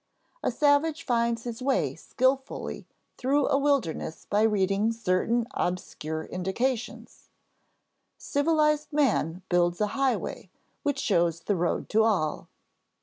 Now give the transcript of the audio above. A savage finds his way skillfully through a wilderness by reading certain obscure indications; civilized man builds a highway which shows the road to all.